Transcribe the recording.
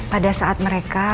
pada saat mereka berdua